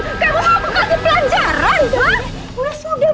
kamu mau aku kasih pelajaran